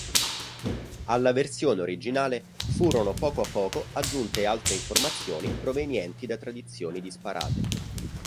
Alla versione originale, furono poco a poco aggiunte altre informazioni provenienti da tradizioni disparate.